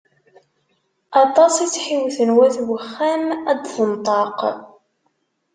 Aṭas i tt-ḥiwten wat uxxam ad d-tenṭeq.